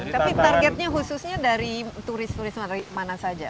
tapi targetnya khususnya dari turis turis mana saja